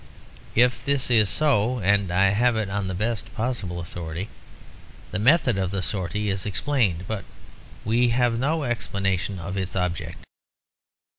If this is so, and I have it on the best possible authority, the method of the sortie is explained. But we have no explanation of its object.